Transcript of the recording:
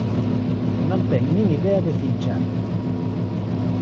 Non ten nin idea de cinchar.